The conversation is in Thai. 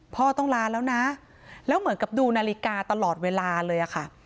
พ่อต้องลาแล้วนะแล้วเหมือนกับดูนาฬิกาตลอดเวลาเลยค่ะ